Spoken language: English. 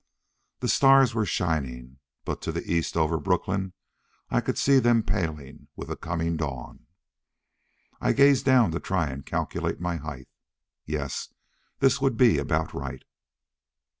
The stars were shining, but to the east over Brooklyn I could see them paling with the coming dawn. I gazed down to try and calculate my height. Yes, this would be about right.